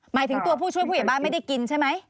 หมายถึงตัวผู้ช่วยผู้ใหญ่บ้านไม่ได้กินใช่ไหม